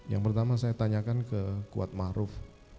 yang pertama saya tanyakan ke kuatmahruf